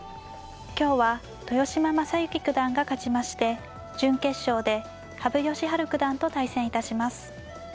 今日は豊島将之九段が勝ちまして準決勝で羽生善治九段と対戦致します。